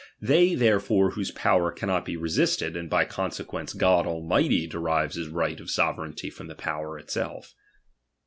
They therefore whose power cannot be resisted, and by consequence God Almighty derives his right of sovereignty from the power itself.